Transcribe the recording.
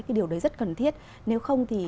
cái điều đấy rất cần thiết nếu không thì